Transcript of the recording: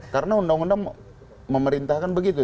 karena undang undang memerintahkan begitu